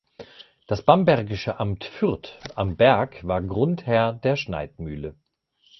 Das bambergische Amt Fürth am Berg war Grundherr der Schneidmühle.